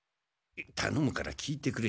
たのむから聞いてくれ。